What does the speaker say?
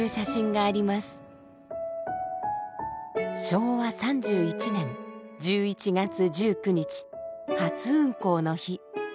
昭和３１年１１月１９日初運行の日。